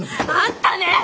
あんたね！